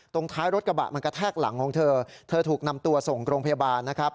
ท้ายรถกระบะมันกระแทกหลังของเธอเธอถูกนำตัวส่งโรงพยาบาลนะครับ